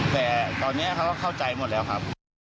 แต่ตอนนี้เขาก็เข้าใจหมดแล้วครับ